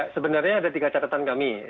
sebenarnya ada tiga catatan kami